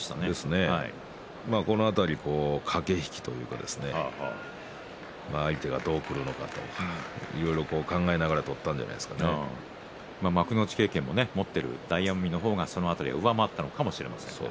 この辺り駆け引きというか相手がどうくるのかいろいろ考えながら幕内経験を持っている大奄美の方が、その辺り上回ったのかもしれません。